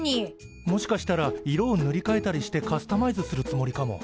もしかしたら色をぬりかえたりしてカスタマイズするつもりかも。